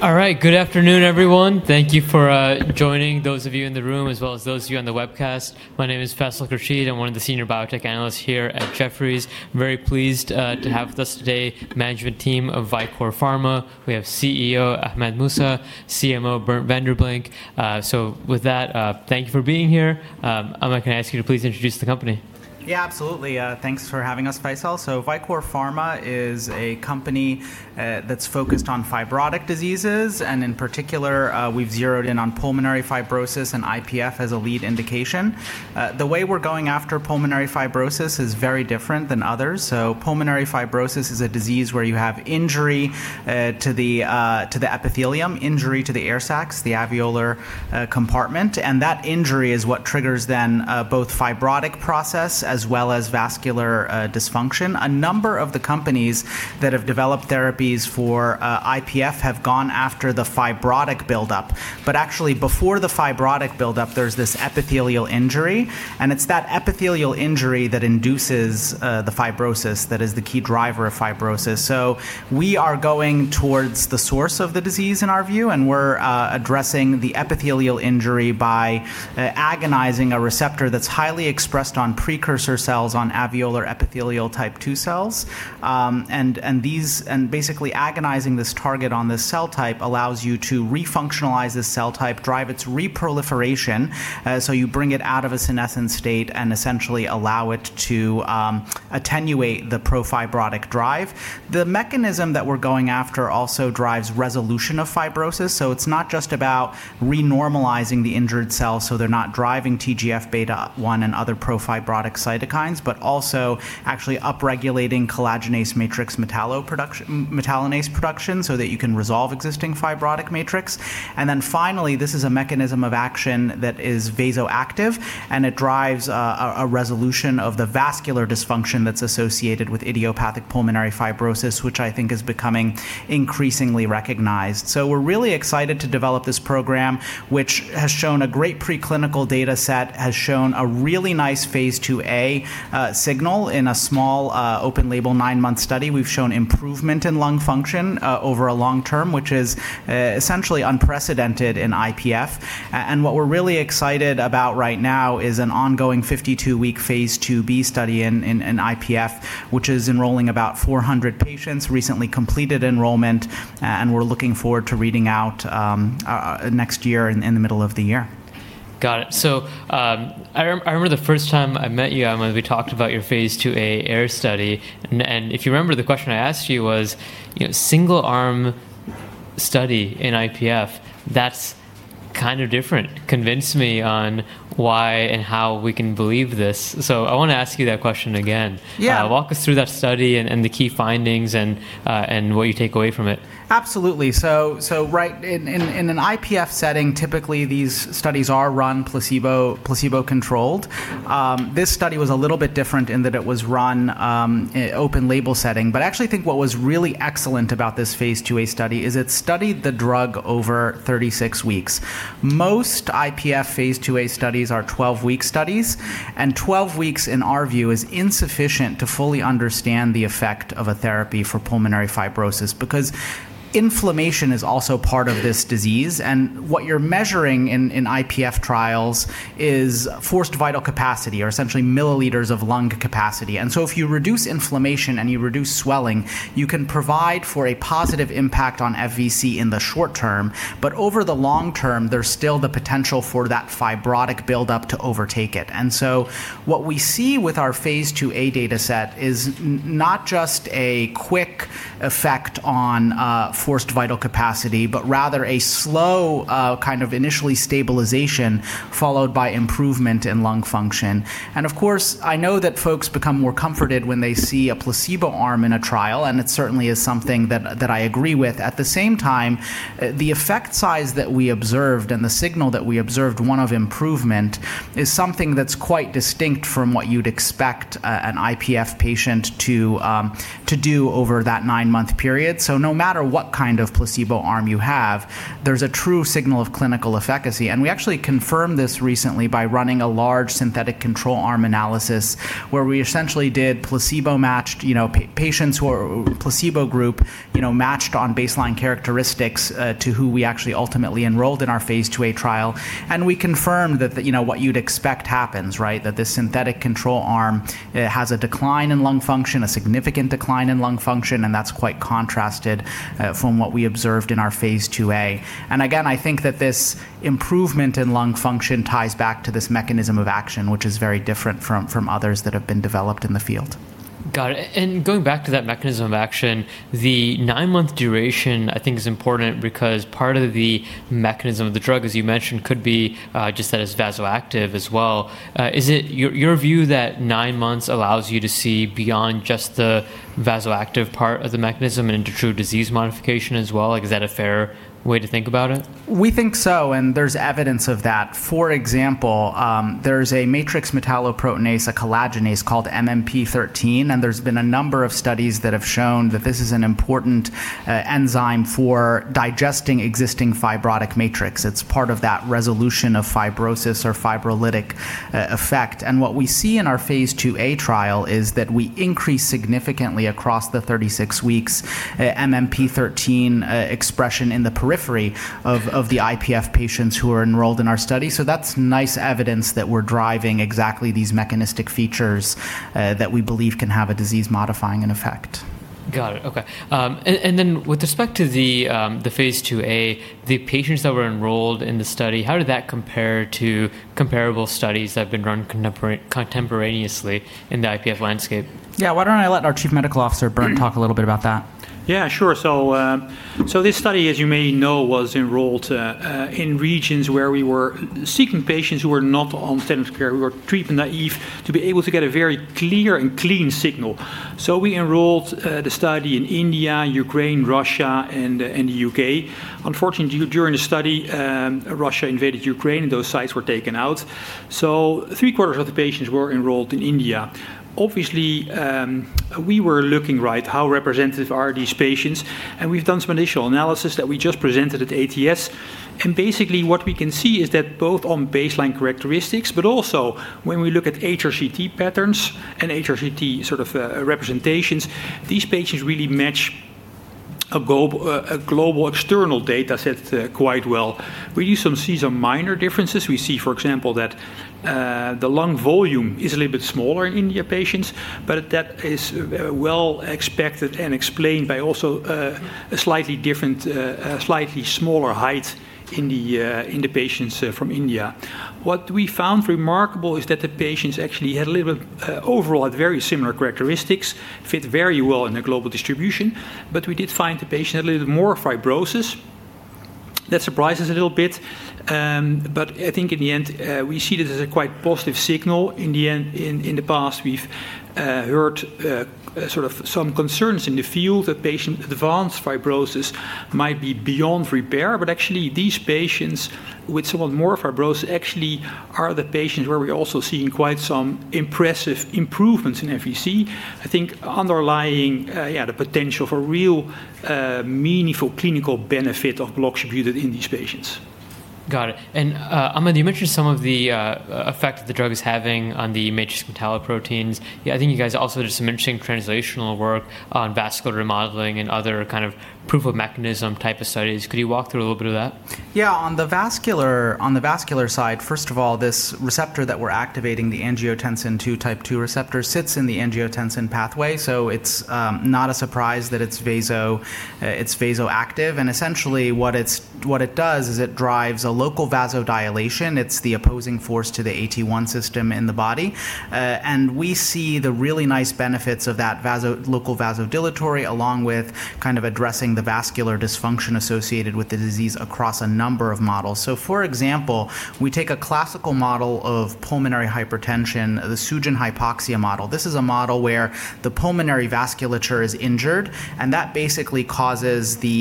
All right. Good afternoon, everyone. Thank you for joining, those of you in the room, as well as those of you on the webcast. My name is Faisal Rashid. I'm one of the senior biotech analysts here at Jefferies. I'm very pleased to have with us today management team of Vicore Pharma. We have CEO Ahmed Mousa, CMO Bernt van den Blink. With that, thank you for being here. Ahmed, can I ask you to please introduce the company? Absolutely. Thanks for having us, Faisal. Vicore Pharma is a company that's focused on fibrotic diseases, and in particular, we've zeroed in on pulmonary fibrosis and IPF as a lead indication. The way we're going after pulmonary fibrosis is very different than others. Pulmonary fibrosis is a disease where you have injury to the epithelium, injury to the air sacs, the alveolar compartment, and that injury is what triggers then both fibrotic process as well as vascular dysfunction. A number of the companies that have developed therapies for IPF have gone after the fibrotic buildup. Actually, before the fibrotic buildup, there's this epithelial injury, and it's that epithelial injury that induces the fibrosis that is the key driver of fibrosis. We are going towards the source of the disease in our view, and we're addressing the epithelial injury by agonizing a receptor that's highly expressed on precursor cells on alveolar epithelial type 2 cells. Basically agonizing this target on this cell type allows you to refunctionalize this cell type, drive its reproliferation, so you bring it out of a senescence state and essentially allow it to attenuate the pro-fibrotic drive. The mechanism that we're going after also drives resolution of fibrosis. It's not just about renormalizing the injured cells so they're not driving TGF-beta 1 and other pro-fibrotic cytokines, but also actually upregulating collagenase matrix metalloproteinase production so that you can resolve existing fibrotic matrix. Finally, this is a mechanism of action that is vasoactive, and it drives a resolution of the vascular dysfunction that is associated with idiopathic pulmonary fibrosis, which I think is becoming increasingly recognized. We are really excited to develop this program, which has shown a great preclinical data set, has shown a really nice phase IIa signal in a small open-label nine-month study. We have shown improvement in lung function over a long-term, which is essentially unprecedented in IPF. What we are really excited about right now is an ongoing 52-week phase IIb study in IPF, which is enrolling about 400 patients, recently completed enrollment, and we are looking forward to reading out next year in the middle of the year. Got it. I remember the first time I met you, Ahmed, we talked about your phase IIa AIR study. If you remember, the question I asked you was, single-arm study in IPF, that's kind of different. Convince me on why and how we can believe this. I want to ask you that question again. Yeah. Walk us through that study and the key findings and what you take away from it? Absolutely. Right, in an IPF setting, typically these studies are run placebo-controlled. This study was a little bit different in that it was run open label setting. I think what was really excellent about this phase IIa study is it studied the drug over 36 weeks. Most IPF phase IIa studies are 12-week studies, and 12 weeks, in our view, is insufficient to fully understand the effect of a therapy for pulmonary fibrosis, because inflammation is also part of this disease and what you're measuring in IPF trials is forced vital capacity or essentially milliliters of lung capacity. If you reduce inflammation and you reduce swelling, you can provide for a positive impact on FVC in the short-term, but over the long term, there's still the potential for that fibrotic buildup to overtake it. What we see with our Phase IIa data set is not just a quick effect on forced vital capacity, but rather a slow initially stabilization followed by improvement in lung function. Of course, I know that folks become more comforted when they see a placebo arm in a trial, and it certainly is something that I agree with. At the same time, the effect size that we observed and the signal that we observed, one of improvement, is something that's quite distinct from what you'd expect an IPF patient to do over that nine-month period. No matter what kind of placebo arm you have, there's a true signal of clinical efficacy. We actually confirmed this recently by running a large synthetic control arm analysis where we essentially did placebo-matched patients who are placebo group matched on baseline characteristics to who we actually ultimately enrolled in our phase IIa trial. We confirmed that what you'd expect happens, right? That this synthetic control arm has a decline in lung function, a significant decline in lung function, and that's quite contrasted from what we observed in our phase IIa. Again, I think that this improvement in lung function ties back to this mechanism of action, which is very different from others that have been developed in the field. Got it. Going back to that mechanism of action, the nine-month duration I think is important because part of the mechanism of the drug, as you mentioned, could be just that it's vasoactive as well. Is it your view that nine months allows you to see beyond just the vasoactive part of the mechanism and into true disease modification as well? Is that a fair way to think about it? We think so, and there's evidence of that. For example, there's a matrix metalloproteinase, a collagenase called MMP-13, and there's been a number of studies that have shown that this is an important enzyme for digesting existing fibrotic matrix. It's part of that resolution of fibrosis or fibrolytic effect. What we see in our phase IIa trial is that we increase significantly across the 36 weeks MMP-13 expression in the periphery of the IPF patients who are enrolled in our study. That's nice evidence that we're driving exactly these mechanistic features that we believe can have a disease-modifying effect. Got it. Okay. Then with respect to the phase IIa, the patients that were enrolled in the study, how did that compare to comparable studies that have been run contemporaneously in the IPF landscape? Yeah. Why don't I let our Chief Medical Officer, Bernt, talk a little bit about that? Yeah, sure. This study, as you may know, was enrolled in regions where we were seeking patients who were not on standard of care, who were treatment-naive, to be able to get a very clear and clean signal. We enrolled the study in India, Ukraine, Russia, and the U.K. Unfortunately, during the study, Russia invaded Ukraine, and those sites were taken out. Three-quarters of the patients were enrolled in India. Obviously, we were looking at how representative are these patients, and we've done some initial analysis that we just presented at ATS. Basically what we can see is that both on baseline characteristics, but also when we look at HRCT patterns and HRCT sort of representations, these patients really match a global external data set quite well. We do see some minor differences. We see, for example, that the lung volume is a little bit smaller in India patients, but that is well expected and explained by also a slightly different, slightly smaller height in the patients from India. What we found remarkable is that the patients actually overall had very similar characteristics, fit very well in the global distribution. We did find the patient had a little bit more fibrosis. That surprised us a little bit, but I think in the end, we see this as a quite positive signal. In the past, we've heard sort of some concerns in the field that patient advanced fibrosis might be beyond repair, but actually these patients with somewhat more fibrosis actually are the patients where we're also seeing quite some impressive improvements in FVC. I think underlying the potential for real meaningful clinical benefit of buloxibutid in these patients. Got it. Ahmed, you mentioned some of the effect that the drug is having on the matrix metalloproteinase. I think you guys also did some interesting translational work on vascular remodeling and other kind of proof of mechanism type of studies. Could you walk through a little bit of that? Yeah. On the vascular side, first of all, this receptor that we're activating, the angiotensin II type 2 receptor, sits in the angiotensin pathway. It's not a surprise that it's vasoactive. Essentially what it does is it drives a local vasodilation. It's the opposing force to the AT1 system in the body. We see the really nice benefits of that local vasodilatory, along with kind of addressing the vascular dysfunction associated with the disease across a number of models. For example, we take a classical model of pulmonary hypertension, the Sugen/hypoxia model. This is a model where the pulmonary vasculature is injured, and that basically causes the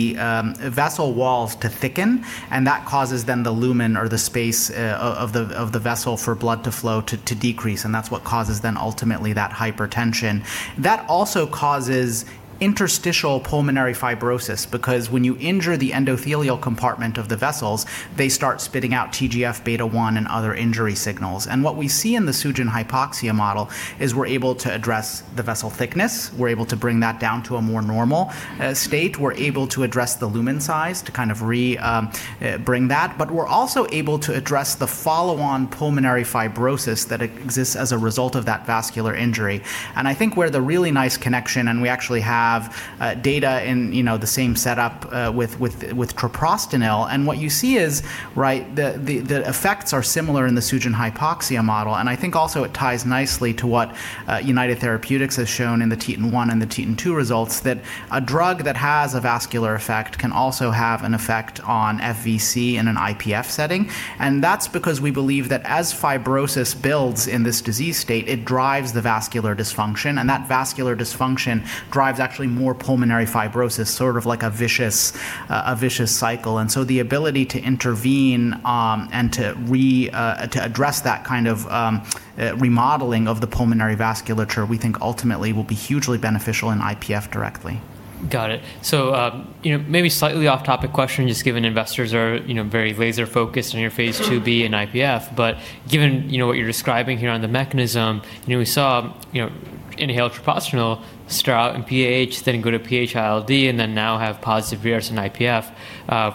vessel walls to thicken, and that causes then the lumen or the space of the vessel for blood to flow to decrease, and that's what causes then ultimately that hypertension. That also causes interstitial pulmonary fibrosis because when you injure the endothelial compartment of the vessels, they start spitting out TGF-beta 1 and other injury signals. What we see in the Sugen/hypoxia model is we're able to address the vessel thickness. We're able to bring that down to a more normal state. We're able to address the lumen size to kind of re-bring that. We're also able to address the follow-on pulmonary fibrosis that exists as a result of that vascular injury. I think where the really nice connection, and we actually have data in the same setup with treprostinil. What you see is the effects are similar in the Sugen/hypoxia model, and I think also it ties nicely to what United Therapeutics has shown in the TETON-1 and the TETON-2 results, that a drug that has a vascular effect can also have an effect on FVC in an IPF setting. That's because we believe that as fibrosis builds in this disease state, it drives the vascular dysfunction, and that vascular dysfunction drives actually more pulmonary fibrosis, sort of like a vicious cycle. The ability to intervene and to address that kind of remodeling of the pulmonary vasculature, we think ultimately will be hugely beneficial in IPF directly. Got it. Maybe a slightly off-topic question, just given investors are very laser-focused on your phase IIb and IPF, but given what you're describing here on the mechanism, we saw inhaled treprostinil start out in PAH, then go to PH-ILD, and then now have positive results in IPF.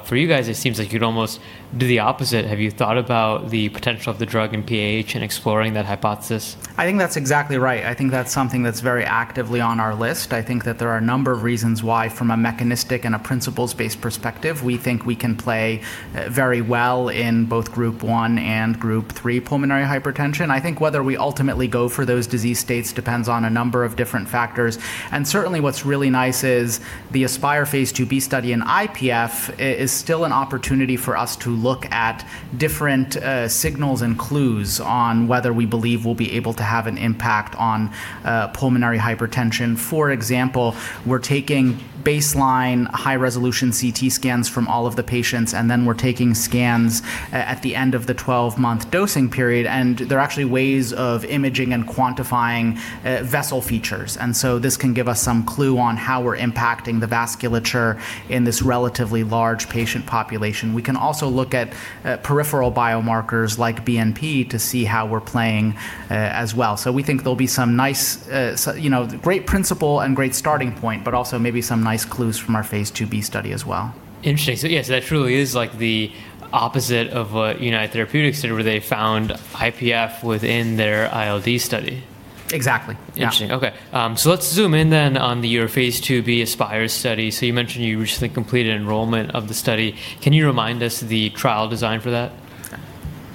For you guys, it seems like you'd almost do the opposite. Have you thought about the potential of the drug in PAH and exploring that hypothesis? I think that's exactly right. I think that's something that's very actively on our list. I think that there are a number of reasons why from a mechanistic and a principles-based perspective, we think we can play very well in both Group 1 and Group 3 pulmonary hypertension. I think whether we ultimately go for those disease states depends on a number of different factors. Certainly what's really nice is the ASPIRE Phase IIb study in IPF is still an opportunity for us to look at different signals and clues on whether we believe we'll be able to have an impact on pulmonary hypertension. For example, we're taking baseline high-resolution CT scans from all of the patients, then we're taking scans at the end of the 12-month dosing period, and they're actually ways of imaging and quantifying vessel features. This can give us some clue on how we're impacting the vasculature in this relatively large patient population. We can also look at peripheral biomarkers like BNP to see how we're playing as well. We think there'll be great principle and great starting point, but also maybe some nice clues from our phase IIb study as well. Interesting. Yes, that truly is like the opposite of what United Therapeutics did where they found IPF within their ILD study. Exactly. Yeah. Interesting. Okay. Let's zoom in then on your Phase IIb ASPIRE study. You mentioned you recently completed enrollment of the study. Can you remind us the trial design for that?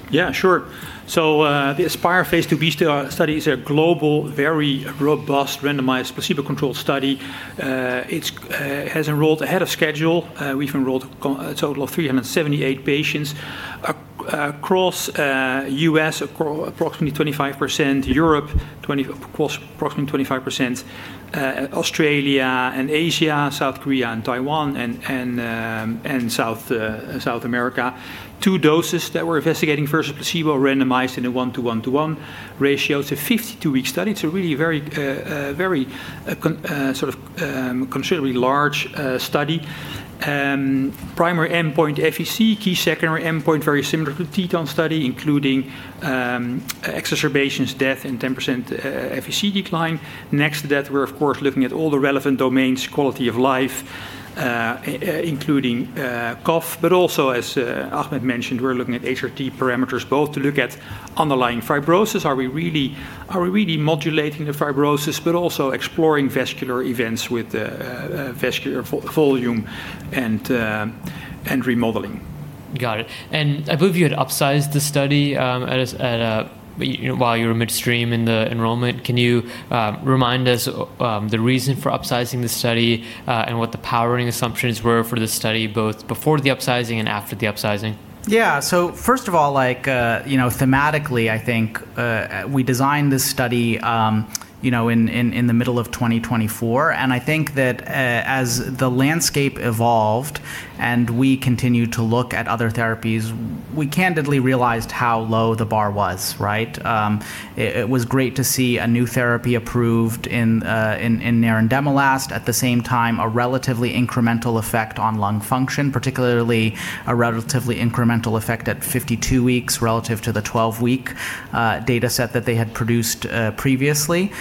Yeah, sure. The ASPIRE Phase IIb study is a global, very robust, randomized, placebo-controlled study. It has enrolled ahead of schedule. We've enrolled a total of 378 patients across U.S., approximately 25%, Europe approximately 25%, Australia and Asia, South Korea and Taiwan, and South America. Two doses that we're investigating versus placebo randomized in a 1:1 ratio. It's a 52-week study. It's a really very considerably large study. Primary endpoint FVC, key secondary endpoint very similar to the TETON study, including exacerbations, death, and 10% FVC decline. Next to that, we're of course looking at all the relevant domains, quality of life including cough. As Ahmed mentioned, we're looking at HRCT parameters both to look at underlying fibrosis. Are we really modulating the fibrosis, but also exploring vascular events with vascular volume and remodeling. Got it. I believe you had upsized the study while you were midstream in the enrollment. Can you remind us the reason for upsizing the study, and what the powering assumptions were for the study both before the upsizing and after the upsizing? Yeah. First of all, thematically, I think we designed this study in the middle of 2024, and I think that as the landscape evolved and we continued to look at other therapies, we candidly realized how low the bar was, right? It was great to see a new therapy approved in nerandomilast, at the same time a relatively incremental effect on lung function, particularly a relatively incremental effect at 52 weeks relative to the 12-week data set that they had produced previously.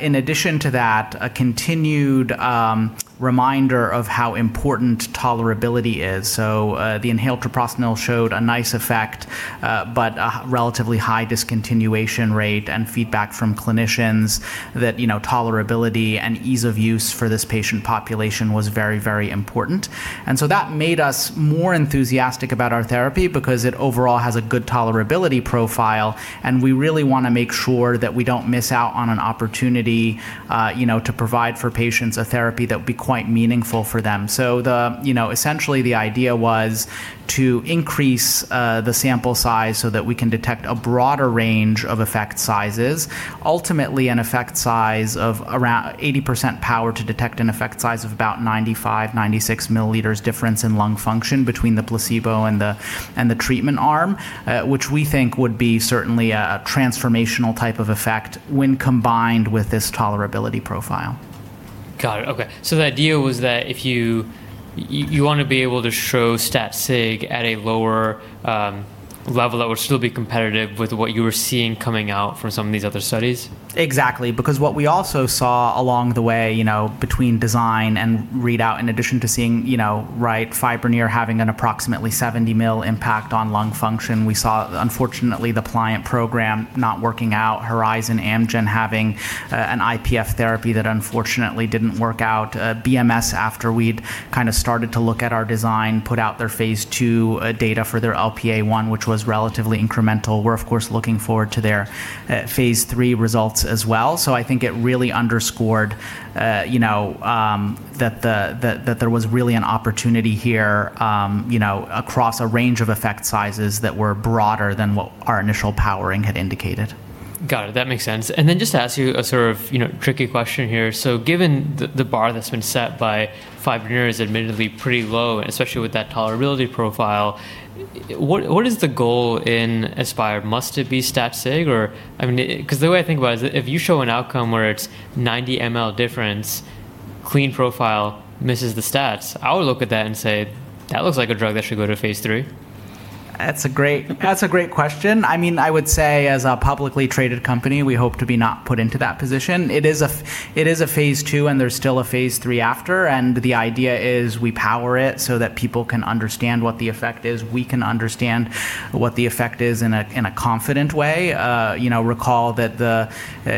In addition to that, a continued reminder of how important tolerability is. The inhaled treprostinil showed a nice effect, but a relatively high discontinuation rate and feedback from clinicians that tolerability and ease of use for this patient population was very important. That made us more enthusiastic about our therapy because it overall has a good tolerability profile, and we really want to make sure that we don't miss out on an opportunity to provide for patients a therapy that would be quite meaningful for them. Essentially the idea was to increase the sample size so that we can detect a broader range of effect sizes, ultimately an effect size of around 80% power to detect an effect size of about 95, 96 ml difference in lung function between the placebo and the treatment arm, which we think would be certainly a transformational type of effect when combined with this tolerability profile. Got it. Okay. The idea was that if you want to be able to show stat sig at a lower level that would still be competitive with what you were seeing coming out from some of these other studies? Exactly. What we also saw along the way between design and readout, in addition to seeing FIBRONEER having an approximately 70 mL impact on lung function, we saw unfortunately the Pliant program not working out, Horizon Amgen having an IPF therapy that unfortunately didn't work out. BMS, after we'd started to look at our design, put out their phase II data for their LPA1, which was relatively incremental. We're of course looking forward to their phase III results as well. I think it really underscored that there was really an opportunity here across a range of effect sizes that were broader than what our initial powering had indicated. Got it. That makes sense. Just to ask you a sort of tricky question here. Given the bar that's been set by FIBRONEER is admittedly pretty low, and especially with that tolerability profile, what is the goal in ASPIRE? Must it be stat sig or? Because the way I think about it is if you show an outcome where it's 90 mL difference, clean profile, misses the stats, I would look at that and say, "That looks like a drug that should go to phase III. That's a great question. I would say as a publicly traded company, we hope to be not put into that position. It is a phase II. There's still a phase III after. The idea is we power it so that people can understand what the effect is, we can understand what the effect is in a confident way. Recall that the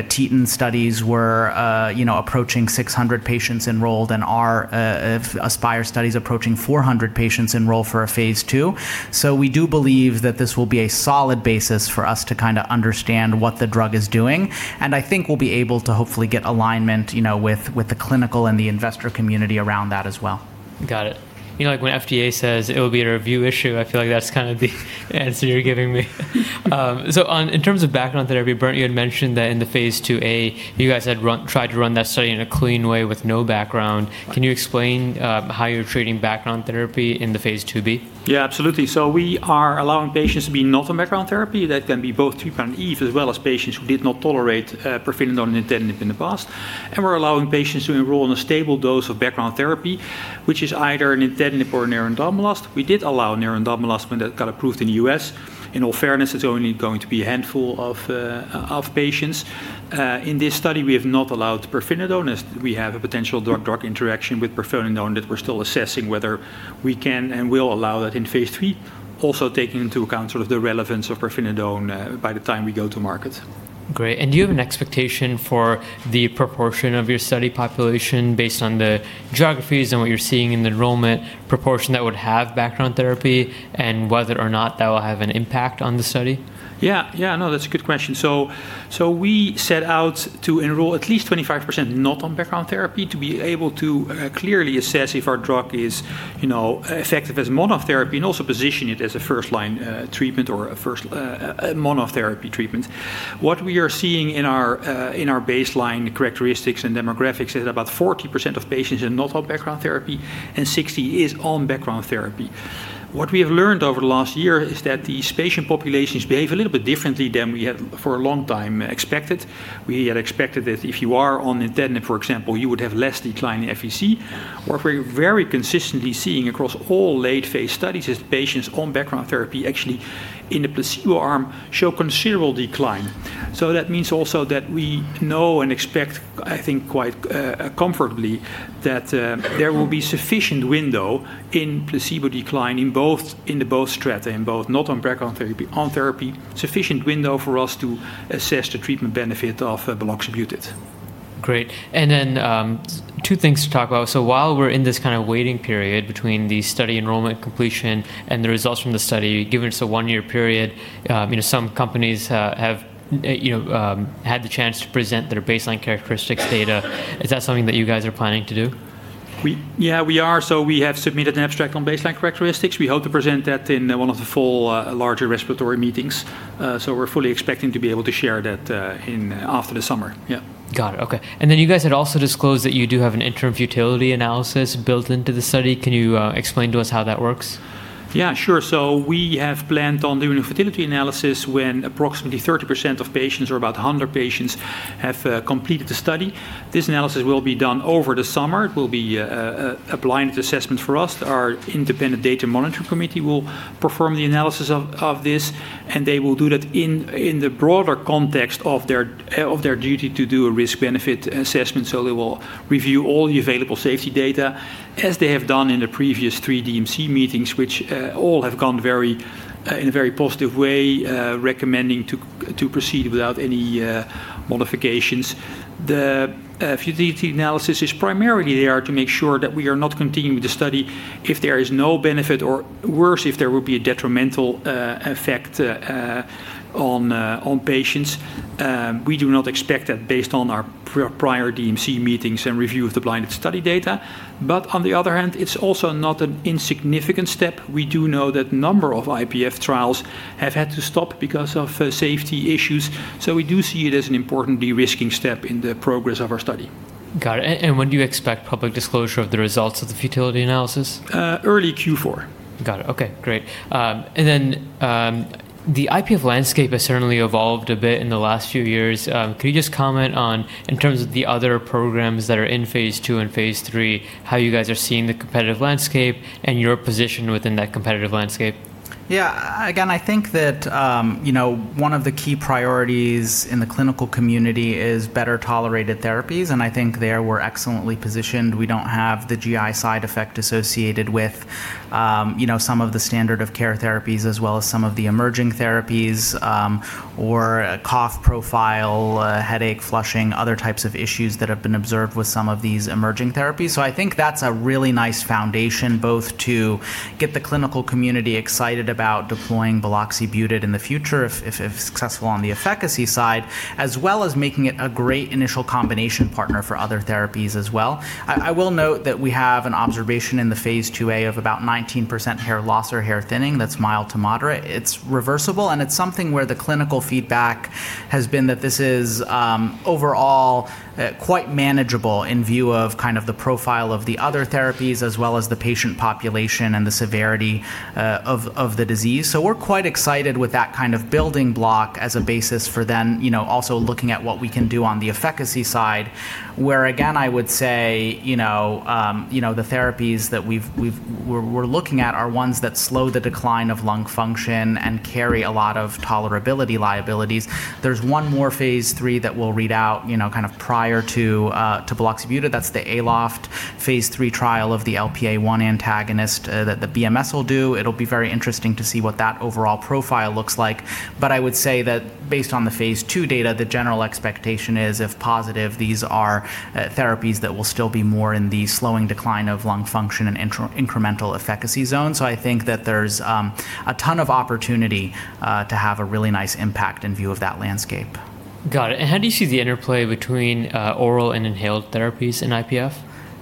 TETON studies were approaching 600 patients enrolled. Our ASPIRE study's approaching 400 patients enrolled for a phase II. We do believe that this will be a solid basis for us to understand what the drug is doing. I think we'll be able to hopefully get alignment with the clinical and the investor community around that as well. Got it. When FDA says it will be a review issue, I feel like that's kind of the answer you're giving me. In terms of background therapy, Bernt, you had mentioned that in the phase IIa, you guys had tried to run that study in a clean way with no background. Right. Can you explain how you're treating background therapy in the phase IIb? Yeah, absolutely. We are allowing patients to be not on background therapy. That can be both treatment-naive as well as patients who did not tolerate pirfenidone and nintedanib in the past. We're allowing patients to enroll in a stable dose of background therapy, which is either nintedanib or nerandomilast. We did allow nerandomilast when that got approved in the U.S. In all fairness, it's only going to be a handful of patients. In this study, we have not allowed pirfenidone as we have a potential drug interaction with pirfenidone that we're still assessing whether we can and will allow that in phase III. Also taking into account sort of the relevance of pirfenidone by the time we go to market. Great. Do you have an expectation for the proportion of your study population based on the geographies and what you're seeing in the enrollment proportion that would have background therapy, and whether or not that will have an impact on the study? That's a good question. We set out to enroll at least 25% not on background therapy to be able to clearly assess if our drug is effective as monotherapy and also position it as a first-line treatment or a first monotherapy treatment. What we are seeing in our baseline characteristics and demographics is about 40% of patients are not on background therapy and 60% is on background therapy. What we have learned over the last year is that these patient populations behave a little bit differently than we had for a long time expected. We had expected that if you are on nintedanib, for example, you would have less decline in FVC. What we're very consistently seeing across all late-phase studies is patients on background therapy actually in the placebo arm show considerable decline. That means also that we know and expect, I think quite comfortably, that there will be sufficient window in placebo decline in both strata, in both not on background therapy, on therapy, sufficient window for us to assess the treatment benefit of buloxibutid. Great. Two things to talk about. While we're in this waiting period between the study enrollment completion and the results from the study, given it's a one-year period, some companies have had the chance to present their baseline characteristics data. Is that something that you guys are planning to do? Yeah, we are. We have submitted an abstract on baseline characteristics. We hope to present that in one of the fall larger respiratory meetings. We're fully expecting to be able to share that after the summer. Yeah. Got it. Okay. You guys had also disclosed that you do have an interim futility analysis built into the study. Can you explain to us how that works? Yeah, sure. We have planned on doing a futility analysis when approximately 30% of patients, or about 100 patients, have completed the study. This analysis will be done over the summer. It will be a blinded assessment for us. Our independent data monitoring committee will perform the analysis of this, and they will do that in the broader context of their duty to do a risk-benefit assessment. They will review all the available safety data, as they have done in the previous three DMC meetings, which all have gone in a very positive way, recommending to proceed without any modifications. The futility analysis is primarily there to make sure that we are not continuing the study if there is no benefit, or worse, if there will be a detrimental effect on patients. We do not expect that based on our prior DMC meetings and review of the blinded study data. On the other hand, it's also not an insignificant step. We do know that number of IPF trials have had to stop because of safety issues. We do see it as an important de-risking step in the progress of our study. Got it. When do you expect public disclosure of the results of the futility analysis? Early Q4. Got it. Okay, great. The IPF landscape has certainly evolved a bit in the last few years. Can you just comment on, in terms of the other programs that are in phase II and phase III, how you guys are seeing the competitive landscape and your position within that competitive landscape? Yeah. Again, I think that one of the key priorities in the clinical community is better-tolerated therapies, and I think there we're excellently positioned. We don't have the GI side effect associated with some of the standard of care therapies as well as some of the emerging therapies, or a cough profile, headache, flushing, other types of issues that have been observed with some of these emerging therapies. I think that's a really nice foundation both to get the clinical community excited about deploying buloxibutid in the future, if successful on the efficacy side, as well as making it a great initial combination partner for other therapies as well. I will note that we have an observation in the phase IIa of about 19% hair loss or hair thinning that's mild to moderate. It's reversible, and it's something where the clinical feedback has been that this is overall quite manageable in view of the profile of the other therapies as well as the patient population and the severity of the disease. We're quite excited with that kind of building block as a basis for then also looking at what we can do on the efficacy side, where again, I would say the therapies that we're looking at are ones that slow the decline of lung function and carry a lot of tolerability liabilities. There's one more phase III that we'll read out prior to buloxibutid. That's the ALOFT Phase III trial of the LPA1 antagonist that the BMS will do. It'll be very interesting to see what that overall profile looks like. I would say that based on the phase II data, the general expectation is, if positive, these are therapies that will still be more in the slowing decline of lung function and incremental efficacy zone. I think that there's a ton of opportunity to have a really nice impact in view of that landscape. Got it. How do you see the interplay between oral and inhaled therapies in IPF?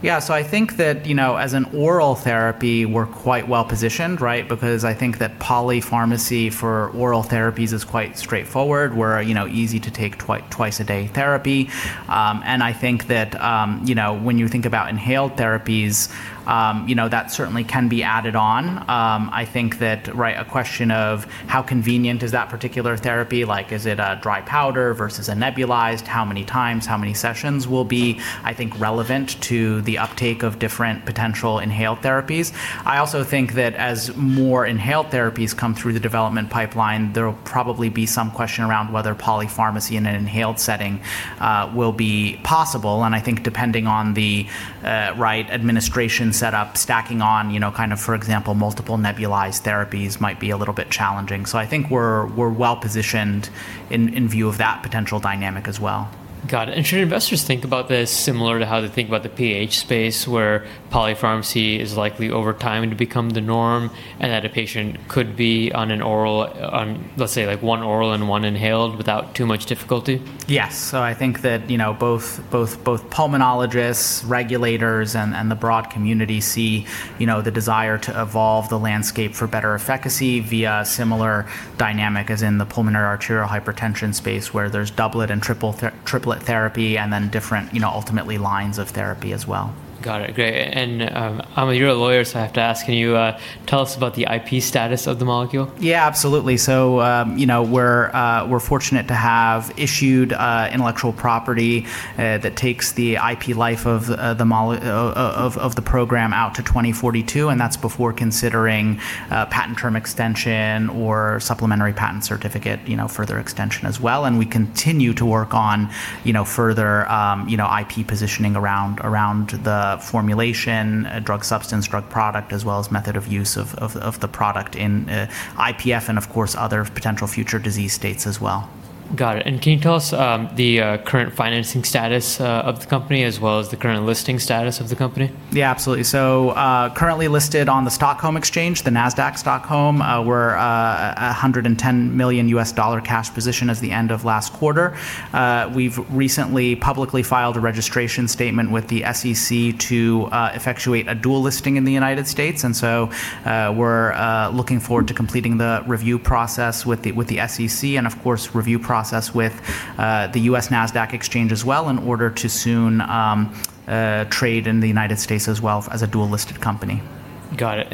Yeah. I think that as an oral therapy, we're quite well-positioned, right? I think that polypharmacy for oral therapies is quite straightforward. We're an easy-to-take twice-a-day therapy. I think that when you think about inhaled therapies, that certainly can be added on. I think that a question of how convenient is that particular therapy, like is it a dry powder versus a nebulized, how many times, how many sessions, will be, I think, relevant to the uptake of different potential inhaled therapies. I also think that as more inhaled therapies come through the development pipeline, there will probably be some question around whether polypharmacy in an inhaled setting will be possible. I think depending on the right administration set up, stacking on, for example, multiple nebulized therapies might be a little bit challenging. I think we're well-positioned in view of that potential dynamic as well. Got it. Should investors think about this similar to how they think about the PH space, where polypharmacy is likely over time to become the norm, and that a patient could be on, let's say, one oral and one inhaled without too much difficulty? Yes. I think that both pulmonologists, regulators, and the broad community see the desire to evolve the landscape for better efficacy via similar dynamic as in the pulmonary arterial hypertension space where there's doublet and triplet therapy and then different ultimately lines of therapy as well. Got it. Great. Ahmed, you're a lawyer, I have to ask, can you tell us about the IP status of the molecule? Yeah, absolutely. We're fortunate to have issued intellectual property that takes the IP life of the program out to 2042, and that's before considering patent term extension or supplementary patent certificate, further extension as well. We continue to work on further IP positioning around the formulation, drug substance, drug product, as well as method of use of the product in IPF and of course other potential future disease states as well. Got it. Can you tell us the current financing status of the company as well as the current listing status of the company? Yeah, absolutely. Currently listed on the Stockholm Exchange, the Nasdaq Stockholm. We're $110 million US dollar cash position as the end of last quarter. We've recently publicly filed a registration statement with the SEC to effectuate a dual listing in the United States. We're looking forward to completing the review process with the SEC and of course, review process with the US Nasdaq Exchange as well in order to soon trade in the United States as well as a dual listed company. Got it.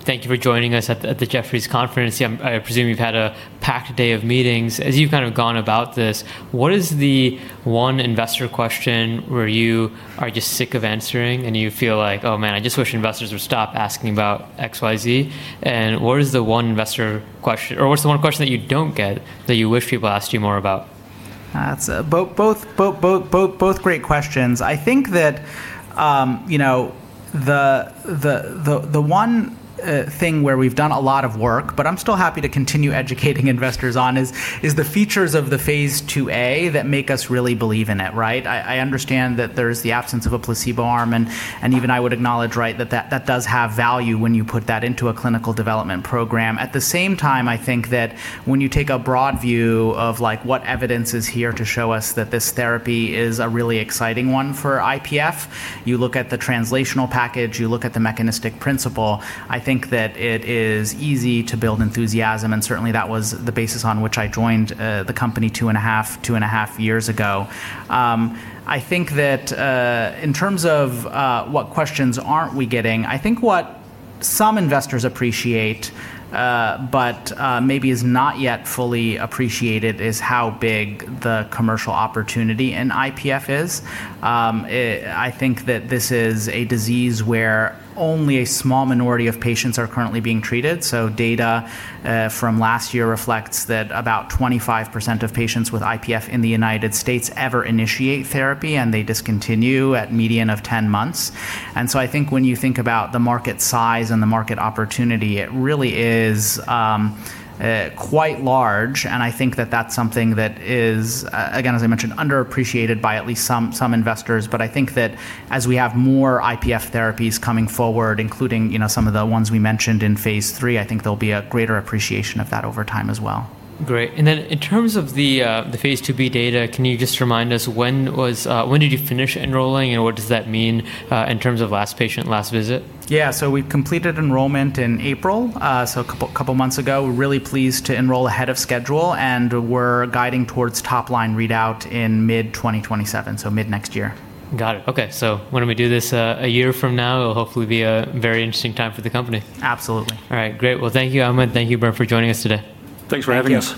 Thank you for joining us at the Jefferies conference. I presume you've had a packed day of meetings. As you've gone about this, what is the one investor question where you are just sick of answering and you feel like, "Oh, man, I just wish investors would stop asking about X, Y, Z"? What is the one investor question, or what's the one question that you don't get that you wish people asked you more about? Both great questions. I think the one thing where we've done a lot of work, but I'm still happy to continue educating investors on is the features of the phase IIa that make us really believe in it, right? I understand there's the absence of a placebo arm, and even I would acknowledge, right, that does have value when you put that into a clinical development program. At the same time, I think when you take a broad view of what evidence is here to show us that this therapy is a really exciting one for IPF, you look at the translational package, you look at the mechanistic principle. I think it is easy to build enthusiasm, and certainly that was the basis on which I joined the company two and a half years ago. I think that in terms of what questions aren't we getting, I think what some investors appreciate, but maybe is not yet fully appreciated, is how big the commercial opportunity in IPF is. I think that this is a disease where only a small minority of patients are currently being treated. Data from last year reflects that about 25% of patients with IPF in the U.S. ever initiate therapy, and they discontinue at median of 10 months. I think when you think about the market size and the market opportunity, it really is quite large, and I think that that's something that is, again, as I mentioned, underappreciated by at least some investors. I think that as we have more IPF therapies coming forward, including some of the ones we mentioned in phase III, I think there will be a greater appreciation of that over time as well. Great. In terms of the phase IIb data, can you just remind us when did you finish enrolling and what does that mean in terms of last patient, last visit? Yeah. We've completed enrollment in April, a couple months ago. We're really pleased to enroll ahead of schedule, and we're guiding towards top-line readout in mid-2027, so mid next year. Got it. Okay. Why don't we do this a year from now? It'll hopefully be a very interesting time for the company. Absolutely. All right. Great. Well, thank you, Ahmed. Thank you, Bernt, for joining us today. Thanks for having us.